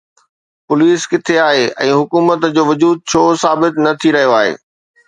Police ڪٿي آهي ۽ حڪومت جو وجود ڇو ثابت نه ٿي رهيو آهي؟